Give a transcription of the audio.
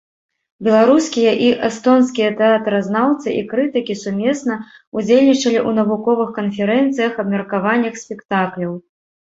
Беларускія і эстонскія тэатразнаўцы і крытыкі сумесна удзельнічалі ў навуковых канферэнцыях, абмеркаваннях спектакляў.